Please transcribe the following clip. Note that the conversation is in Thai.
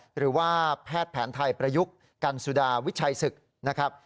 หรือว่าแพทย์แผนไทยประยุกต์กันสุดาวิชัยศึกนะครับ